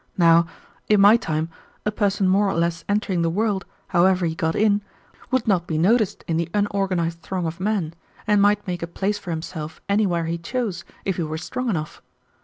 Now, in my time a person more or less entering the world, however he got in, would not be noticed in the unorganized throng of men, and might make a place for himself anywhere he chose if he were strong enough.